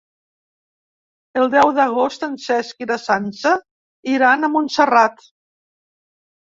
El deu d'agost en Cesc i na Sança iran a Montserrat.